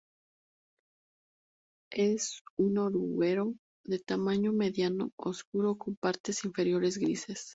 Es un oruguero de tamaño mediano, oscuro con partes inferiores grises.